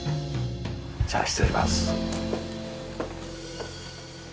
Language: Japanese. じゃあ失礼します。